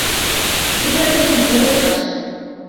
إبرة في كومة قش